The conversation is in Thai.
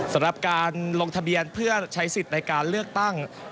สำหรับการลงทะเบียนเพื่อใช้สิทธิ์ในการเลือกตั้ง